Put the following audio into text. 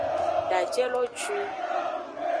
Daje lo juin.